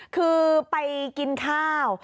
คือไปกินข้าว